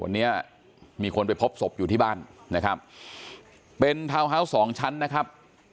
วันนี้มีคนไปพบศพอยู่ที่บ้านนะครับเป็นทาวน์ฮาวส์สองชั้นนะครับ